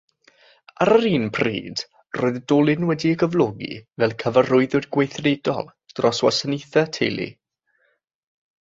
Ar yr un pryd roedd Dolin wedi'i gyflogi fel cyfarwyddwr gweithredol dros wasanaethau teulu.